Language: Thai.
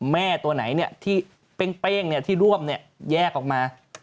แม่ตัวไหนเนี่ยที่เป้งเนี่ยที่ร่วมเนี่ยแยกออกมา